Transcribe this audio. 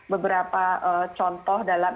beberapa contoh dalam